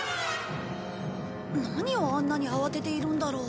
何をあんなに慌てているんだろう？